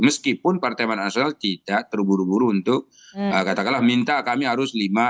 meskipun partai pertama nasional tidak terburu buru untuk katakanlah minta kami harus lima enam atau tiga dua gitu